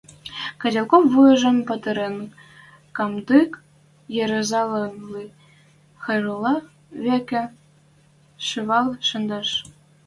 Котелков вуйжым патырын комдык ӹрзӓлӓльӹ, Хайрулла вӹкӹ шӹвӓл шӹндӹш.